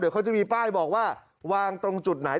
เขาจะมีป้ายบอกว่าวางตรงจุดไหน